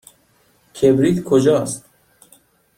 کبریت کجاست؟